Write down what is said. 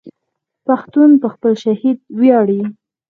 پښتون په خپل شهید ویاړي.